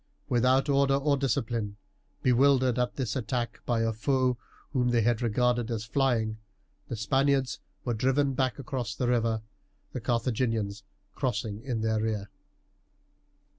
Without order or discipline, bewildered at this attack by a foe whom they had regarded as flying, the Spaniards were driven back across the river, the Carthaginians crossing in their rear.